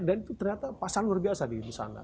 dan itu ternyata pasal luar biasa di sana